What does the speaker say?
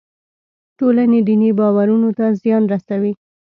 ټولنې دیني باورونو ته زیان رسوي.